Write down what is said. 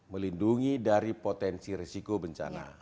melindungi dari potensi risiko bencana